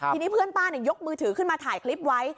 ทีนี้เพื่อนป้ายกมือถือขึ้นมาถ่ายคลิปไว้